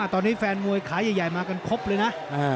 ตอนนี้แฟนมวยขายใหญ่มากันครบเลยนะ